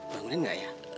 bangunin gak ya